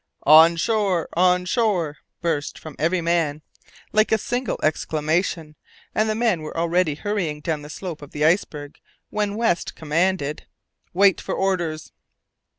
"On shore! On shore!" burst from every man, like a single exclamation, and the men were already hurrying down the slope of the iceberg, when West commanded: "Wait for orders!"